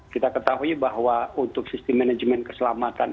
kita ketahui bahwa untuk sistem manajemen keselamatan